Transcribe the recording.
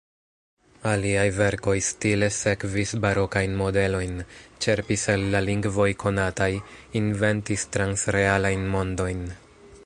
Aliaj verkoj stile sekvis barokajn modelojn; ĉerpis el la lingvoj konataj, inventis transrealajn mondojn.